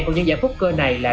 của nhân giả poker này